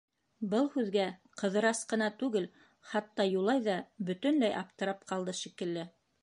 Был һүҙгә Ҡыҙырас ҡына түгел, хатта Юлай ҙа бөтөнләй аптырап ҡалды шикелле.